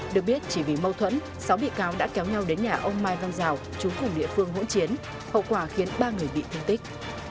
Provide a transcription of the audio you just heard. được biết chỉ vì mâu thuẫn sáu bị cáo đã kéo nhau đến nhà ông mai văn giào chú cùng địa phương hỗn chiến hậu quả khiến ba người bị thương tích